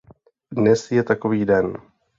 Dnes je takový den.